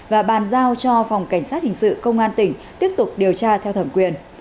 và bàn giao cho phòng cảnh sát hình sự công an tỉnh tiếp tục điều tra theo thẩm quyền